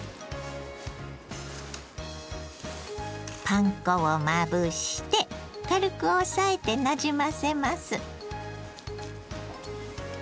パン粉をまぶして軽く押さえてなじませます。